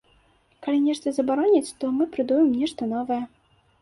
Калі нешта забароняць, то мы прыдумаем нешта новае.